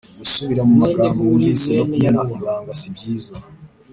gusubira mu magambo wumvise no kumena ibanga sibyiza